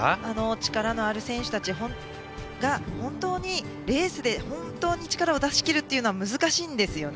力のある選手たちが本当にレースで力を出し切るのは難しいんですよね。